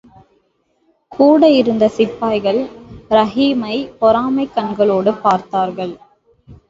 கூட இருந்த சிப்பாய்கள் ரஹீமைப் பொறாமைக் கண்களோடு பார்த்தார்கள்.